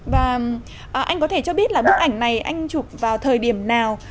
và anh có thể cho biết là bức ảnh này anh chụp vào thời điểm nào